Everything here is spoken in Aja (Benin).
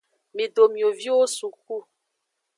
Mido mioviwo suku.